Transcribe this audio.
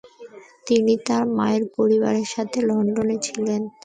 তিনি তার মায়ের পরিবারের সাথে লন্ডনে ছিলেন।